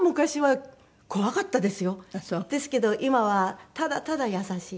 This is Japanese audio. ですけど今はただただ優しい。